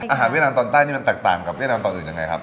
เวียดนามตอนใต้นี่มันแตกต่างกับเวียดนามตอนอื่นยังไงครับ